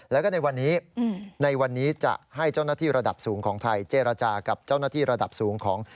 แล้วก็ในวันนี้ในวันนี้จะให้เจ้าหน้าที่ระดับสูงของไทยเจรจากับเจ้าหน้าที่ระดับสูงของ